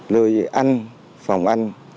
lơi ăn phòng ăn